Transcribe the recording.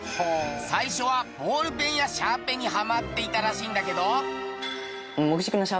最初はボールペンやシャーペンにハマっていたらしいんだけど。